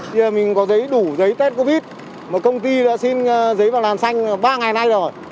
bây giờ mình có giấy đủ giấy test covid một công ty đã xin giấy vào làm xanh ba ngày nay rồi